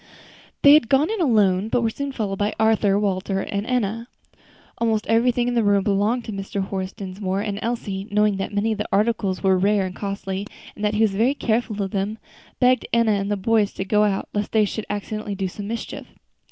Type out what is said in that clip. They had gone in alone, but were soon followed by Arthur, Walter and Enna. Almost everything in the room belonged to Mr. Horace Dinsmore; and Elsie, knowing that many of the articles were rare and costly, and that he was very careful of them, begged Enna and the boys to go out, lest they should accidentally do some mischief.